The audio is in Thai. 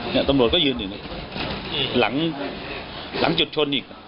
เนี่ยทำโหรดก็ยืนอยู่หนึ่งหลังจุดชนอีก